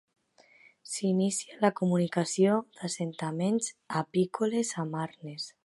S'inicia la comunicació d'assentaments apícoles amb arnes.